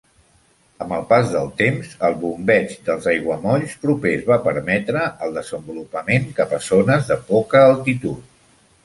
Amb el pas del temps, el bombeig dels aiguamolls propers va permetre el desenvolupament cap a zones de poca altitud.